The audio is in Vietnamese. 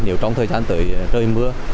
nếu trong thời gian tới trời mưa